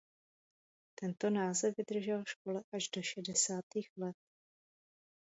Tento název vydržel škole až do šedesátých let.